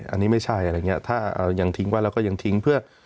อันนี้ไม่ใช่อะไรอย่างนี้ถ้ายังทิ้งไว้เราก็ยังทิ้งเพื่อ